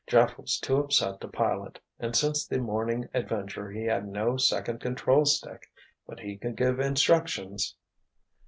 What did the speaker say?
Jeff was too upset to pilot; and since the morning adventure he had no second control stick; but he could give instructions.